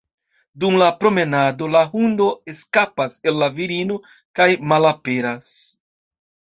Dum la promenado, la hundo eskapas el la virino kaj malaperas.